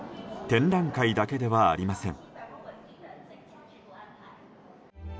展覧会だけではありません。